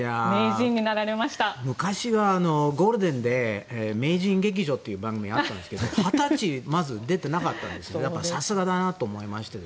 昔はゴールデンで「名人劇場」という番組があったんですが２０歳、まだ出てなかったのでさすがだなと思いまして。